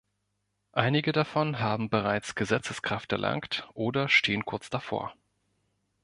Einige davon haben bereits Gesetzeskraft erlangt oder stehen kurz davor.